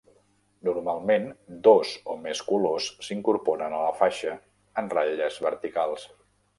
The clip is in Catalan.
Normalment dos o més colors s"incorporen a la faixa, en ratlles verticals.